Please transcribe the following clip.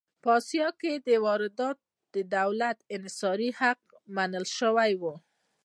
په اسیا کې دا واردات د دولت انحصاري حق منل شوي وو.